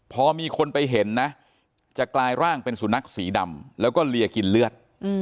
พอมีคนไปเห็นนะจะกลายร่างเป็นสุนัขสีดำแล้วก็เลียกินเลือด